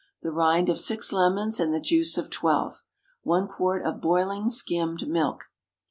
The rind of six lemons, and the juice of twelve. One quart of boiling skimmed milk.